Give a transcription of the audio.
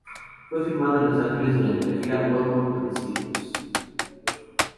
Fue filmado en Los Ángeles durante la gira "Welcome to the Circus".